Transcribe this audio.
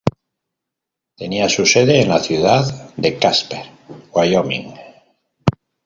Tenía su sede en la ciudad de Casper, Wyoming.